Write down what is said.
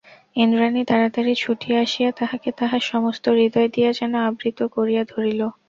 ইন্দ্রাণী তাড়াতাড়ি ছুটিয়া আসিয়া তাঁহাকে তাহার সমস্ত হৃদয় দিয়া যেন আবৃত করিয়া ধরিল।